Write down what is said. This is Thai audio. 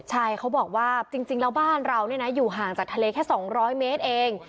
ใช่เขาบอกว่าจริงแล้วบ้านเราอยู่ห่างจากทะเลแค่๒๐๐เมตรเอง